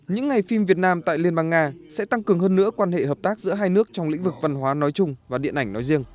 những ngày phim việt nam tại liên bang nga sẽ tăng cường hơn nữa quan hệ hợp tác giữa hai nước trong lĩnh vực văn hóa nói chung và điện ảnh nói riêng